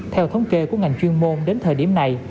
theo thống kê của ngành chuyên môn đến thời điểm này